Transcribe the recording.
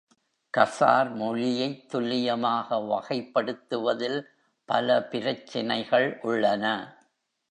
கசார் மொழியைத் துல்லியமாக வகைப்படுத்துவதில் பல பிரச்சினைகள் உள்ளன.